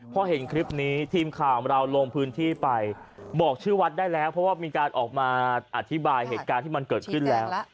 พอเห็นคลิปนี้ทีมข่าวของเราลงพื้นที่ไปบอกชื่อวัดได้แล้วเพราะว่ามีการออกมาอธิบายเหตุการณ์ที่มันเกิดขึ้นแล้ว